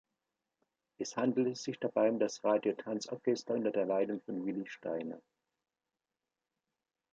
Es handelte sich dabei um das „Radio-Tanz-Orchester unter der Leitung von Willy Steiner“.